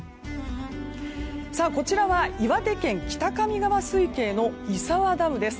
こちらは岩手県北上川水系の胆沢ダムです。